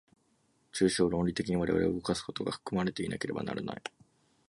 抽象論理的に我々を動かすことが含まれていなければならない。